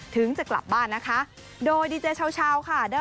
ถึงจะกลับบ้านนะคะโดยดีเจชาวค่ะ